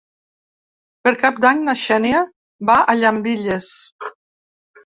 Per Cap d'Any na Xènia va a Llambilles.